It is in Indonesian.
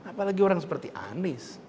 apalagi orang seperti anies